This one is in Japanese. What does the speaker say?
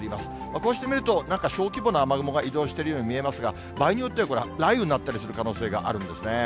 こうして見ると、なんか小規模な雨雲が移動しているように見えますが、場合によってはこれ、雷雨になったりする可能性があるんですね。